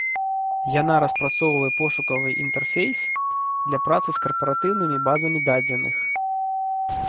Яна распрацоўвае пошукавы інтэрфейс для працы з карпаратыўнымі базамі дадзеных.